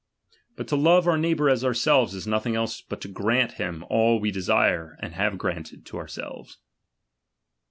But to love our neigh ,T)our as ourselves, is nothing else but to grant him 1 we desire to have granted to ourselves.